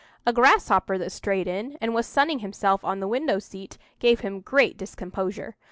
A grasshopper that strayed in, and was sunning himself on the window seat, gave him great discomposure.